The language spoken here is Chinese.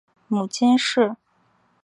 母金氏。